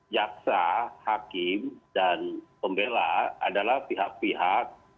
jaksa hakim dan pembela adalah pihak pihak